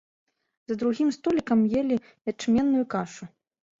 За другім столікам елі ячменную кашу.